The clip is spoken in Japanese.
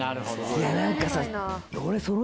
いや何かさ。